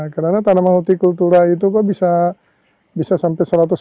karena tanaman holtikultura itu bisa sampai seratus